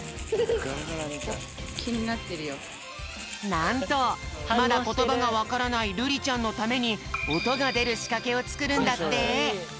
なんとまだことばがわからないるりちゃんのためにおとがでるしかけをつくるんだって。